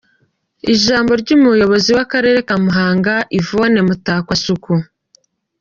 Ijambo ry’umuyobozi w’akarere ka Muhanga Yvonne Mutakwasuku